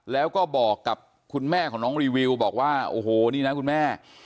แล้วก็บอกกับคุณแม่ของน้องรีวิวบอกว่าโอ้โหนี่นะคุณแม่